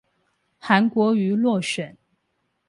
韓國瑜落選